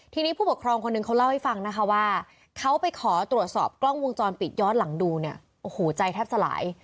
ทีนี้ผู้ปกครองคนหนึ่งเขาเล่าให้ฟังนะคะว่าเขาไปขอตรวจสอบกล้องวงจรปิดย้อนหลังดูเนี่ยโอ้โหใจแทบสลาย